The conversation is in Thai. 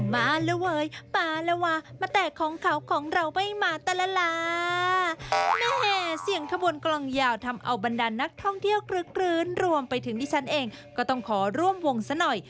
มาแล้วเว้ยมาแล้ววะมาแตกของเขาของเราไม่มาแต่ละลาแม่เสี่ยงขบวนกลองยาวทำเอาบรรดานนักท่องเที่ยวกรึกคลื้นรวมไปถึงดิฉันเองก็ต้องขอร่วมวงซะหน่อย